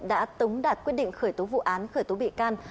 đã tống đạt quyết định khởi tố vụ án khởi tố bị can